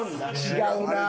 違うなあ。